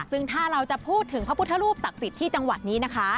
ซึ่งถ้าเราจะพูดถึงพระพุทธรูปศักดิ์สิทธิ์ที่จังหวัดนี้นะคะ